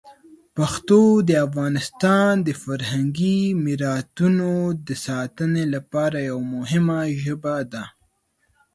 پښتو د افغانستان د فرهنګي میراتونو د ساتنې لپاره یوه مهمه ژبه ده.